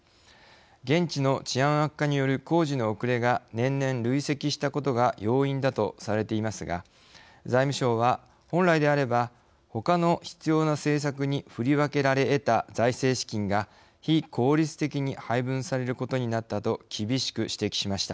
現地の治安悪化による工事の遅れが年々累積したことが要因だとされていますが財務省は本来であれば他の必要な政策に振り分けられ得た財政資金が非効率的に配分されることになったと厳しく指摘しました。